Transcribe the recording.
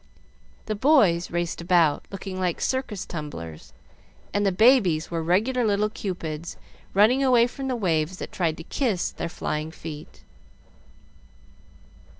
The boys raced about, looking like circus tumblers, and the babies were regular little cupids, running away from the waves that tried to kiss their flying feet.